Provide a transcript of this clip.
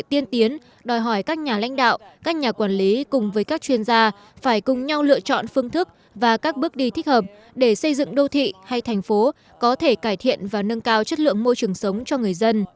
trong lựa chọn phương thức và các bước đi thích hợp để xây dựng đô thị hay thành phố có thể cải thiện và nâng cao chất lượng môi trường sống cho người dân